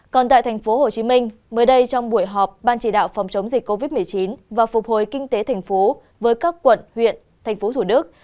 còn tại thành phố hồ chí minh mới đây trong buổi họp ban chỉ đạo phòng chống dịch covid một mươi chín và phục hồi kinh tế thành phố với các quận huyện thành phố thủ đức